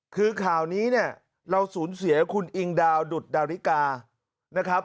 คือข่าวนี้เนี่ยเราสูญเสียคุณอิงดาวดุดดาริกานะครับ